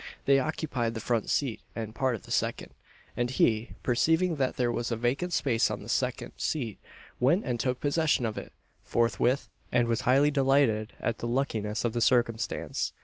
They occupied the front seat and part of the second; and he, perceiving that there was a vacant space on the second seat, went and took possession of it forthwith, and was highly delighted at the luckiness of the circumstance.